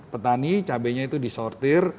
petani cabainya itu disortir